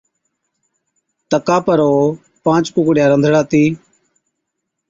تڪا پر او پانچ ڪُوڪڙِيا رنڌڙاتِي،